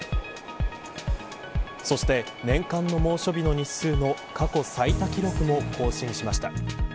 そして、年間の猛暑日の日数の過去最多記録も更新しました。